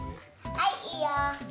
はいいいよ。